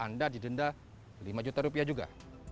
anda didenda rp lima juga